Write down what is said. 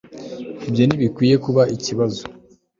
ibyo ntibikwiye kuba ikibazo